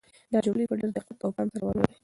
دا جملې په ډېر دقت او پام سره ولولئ.